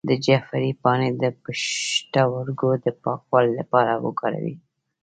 د جعفری پاڼې د پښتورګو د پاکوالي لپاره وکاروئ